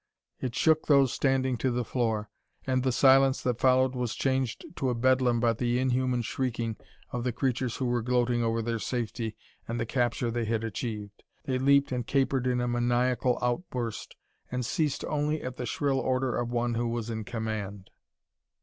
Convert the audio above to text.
It shook those standing to the floor, and the silence that followed was changed to a bedlam by the inhuman shrieking of the creatures who were gloating over their safety and the capture they had achieved. They leaped and capered in a maniacal outburst and ceased only at the shrill order of one who was in command.